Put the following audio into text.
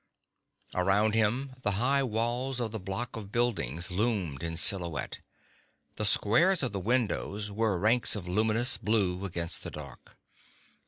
Around him, the high walls of the block of buildings loomed in silhouette; the squares of the windows were ranks of luminous blue against the dark.